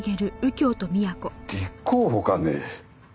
立候補かね？